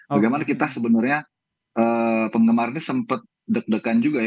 bagaimana kita sebenarnya penggemar ini sempat deg degan juga ya